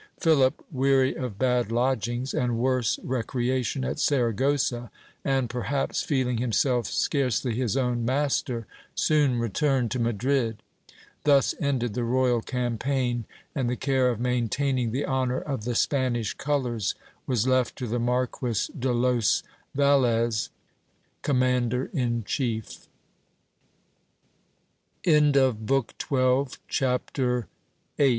Philip, weary of bad lodgings and worse recreation at Saragossa, and perhaps feeling himself scarcely his own master, soon returned to Madrid. Thus ended the royal campaign, and the care of maintaining the honour of the Spanish colours was left to the Marquis de los Velez, commander in ch